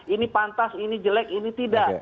ini pantas ini jelek ini tidak